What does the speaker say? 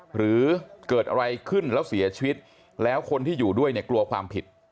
หรือเกิดอะไรขึ้นแล้วเสียชีวิตแล้วคนที่อยู่ด้วยเนี่ยกลัวความผิด